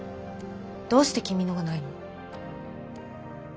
どうして君のがないの？